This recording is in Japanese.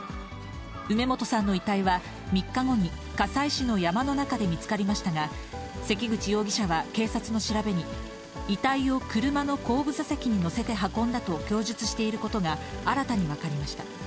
梅本さんの遺体は３日後に、加西市の山の中で見つかりましたが、関口容疑者は警察の調べに、遺体を車の後部座席に乗せて運んだと供述していることが、新たに分かりました。